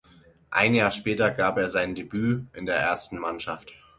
Ein Jahr später gab er sein Debüt in der ersten Mannschaft.